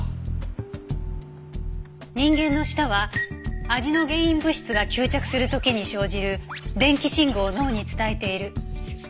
人間の舌は味の原因物質が吸着する時に生じる電気信号を脳に伝えている。